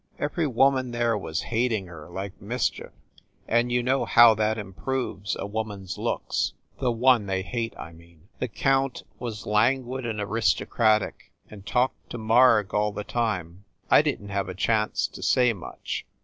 Every woman there was hating her like mischief; and you know how that improves a woman s looks THE ST. PAUL BUILDING 219 the one they hate, I mean. The count was lan guid and aristocratic and talked to Marg all the time. I didn t have a chance to say much.